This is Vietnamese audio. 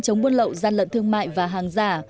chống vun lậu gian lệnh thương mại và hàng giả